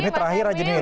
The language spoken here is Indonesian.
ini terakhir aja nih